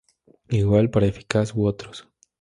Igual para eficaz u otros.